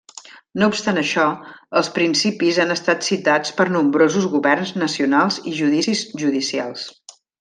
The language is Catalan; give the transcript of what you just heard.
No obstant això, els principis han estat citats per nombrosos governs nacionals i judicis judicials.